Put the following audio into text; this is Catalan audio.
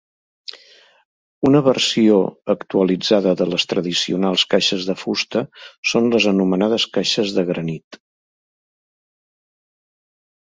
Una versió actualitzada de les tradicionals caixes de fusta són les anomenades caixes de granit.